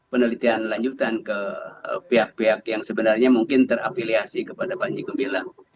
penelitian lanjutan ke pihak pihak yang sebenarnya mungkin terafiliasi kepada panji gumilang